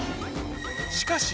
しかし